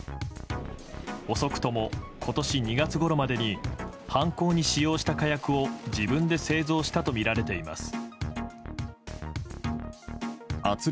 遅くとも今年２月ごろまでに犯行に使用した火薬を自分で製造したとみられています。